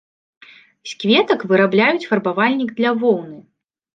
З кветак вырабляюць фарбавальнік для воўны.